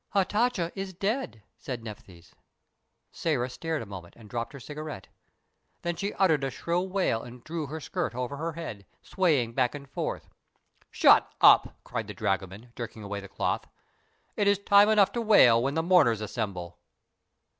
"Hatatcha is dead," said Nephthys. Sĕra stared a moment and dropped her cigarette. Then she uttered a shrill wail and threw her skirt over her head, swaying back and forth. "Shut up!" cried the dragoman, jerking away the cloth. "It is time enough to wail when the mourners assemble."